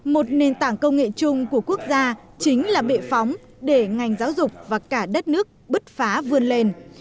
một nền tảng công nghệ chung của quốc gia chính là bệ phóng để ngành giáo dục và cả đất nước bứt phá vươn lên